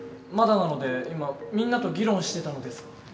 まだなので今みんなと議論してたのですが。